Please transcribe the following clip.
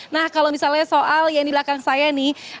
nah kalau misalnya soal yang di belakang saya nih